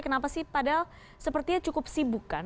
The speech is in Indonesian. kenapa sih padahal sepertinya cukup sibuk kan